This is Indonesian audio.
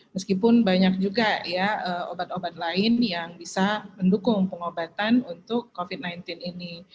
meskipun banyak juga ya obat obat lain yang bisa mendukung pengobatan untuk covid sembilan belas ini